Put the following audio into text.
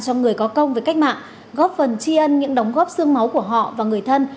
cho người có công với cách mạng góp phần tri ân những đóng góp sương máu của họ và người thân